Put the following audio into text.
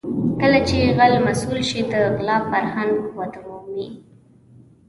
کله چې غل مسوول شي د غلا فرهنګ وده مومي.